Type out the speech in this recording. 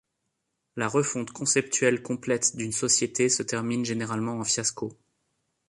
La refonte conceptuelle complète d’une société se termine généralement en fiasco.